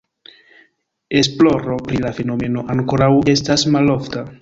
Esploro pri la fenomeno ankoraŭ estas malofta.